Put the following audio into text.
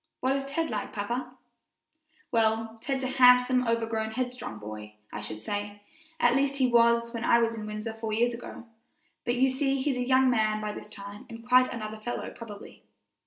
What is Ted like, papa?" "Well, Ted's a handsome, overgrown, headstrong boy, I should say at least, he was when I was in Windsor four years ago; but you see he's a young man by this time and quite another fellow probably."